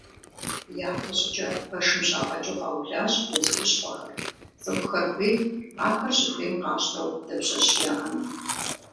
Япэ щӏыкӏэ пэшым щагъэкӏыу къаублащ удз хущхъуэхэр, цӏыхухэр хуейт ахэр щыхуейм къащтэу дапщэщи яӏэну.